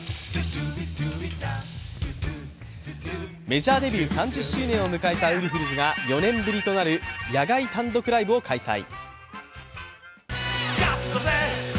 メジャーデビュー３０周年を迎えたウルフルズが４年ぶりとなる野外単独ライブを開催。